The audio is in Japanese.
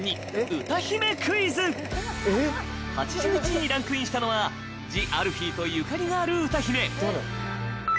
８１位にランクインしたのはＴＨＥＡＬＦＥＥとゆかりがある歌姫誰？